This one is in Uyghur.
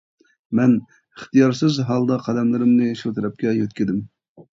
مەن ئىختىيارسىز ھالدا قەدەملىرىمنى شۇ تەرەپكە يۆتكىدىم.